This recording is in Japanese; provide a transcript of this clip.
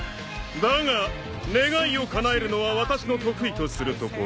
だが願いをかなえるのは私の得意とするところ。